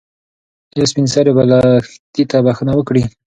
ایا سپین سرې به لښتې ته بښنه وکړي؟